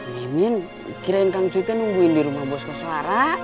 mimin kirain kang cuite nungguin di rumah bosko suara